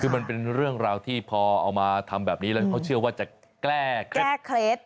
คือมันเป็นเรื่องราวที่พอเอามาทำแบบนี้แล้วเขาเชื่อว่าจะแก้เคล็ด